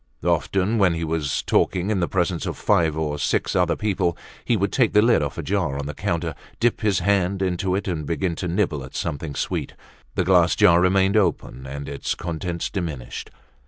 Often, when he was talking in the presence of five or six other people, he would take the lid off a jar on the counter, dip his hand into it and begin to nibble at something sweet; the glass jar remained open and its contents diminished.